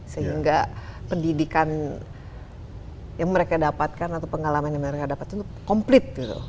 sehingga pendidikan yang mereka dapatkan atau pengalaman yang mereka dapat itu komplit gitu